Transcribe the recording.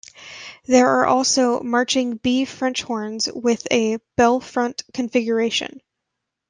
There are also marching B French horns with a bell-front configuration.